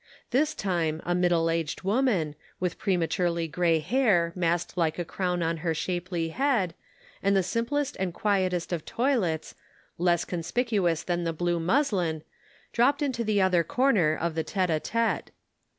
This time a middle aged woman, with prematurely gray hair massed like a crown on ,her shapely head, and the simplest and quietest of toilets, less conspicuous than the blue muslin, dropped into the other corner of the tete a tete.